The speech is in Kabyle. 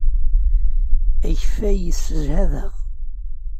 Akeffay yessejhad-aɣ.